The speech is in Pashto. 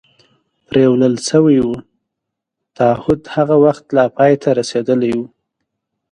پرېولل شوي و، تعهد هغه وخت لا پای ته رسېدلی و.